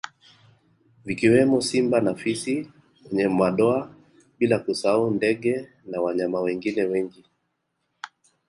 Vikiwemo simba na fisi mwenye madoa bila kusahau ndgee na wanyama wengine wengi